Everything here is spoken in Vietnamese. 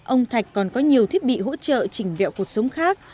ông thạch còn có nhiều thiết bị hỗ trợ chỉnh vẹo cuộc sống khác